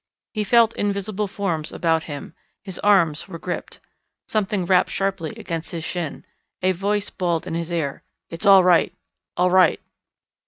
He felt invisible forms about him; his arms were gripped. Something rapped sharply against his shin. A voice bawled in his ear, "It is all right all right."